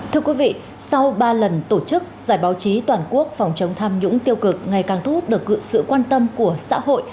thưa quý vị sau ba lần tổ chức giải báo chí toàn quốc phòng chống tham nhũng tiêu cực ngày càng thu hút được sự quan tâm của xã hội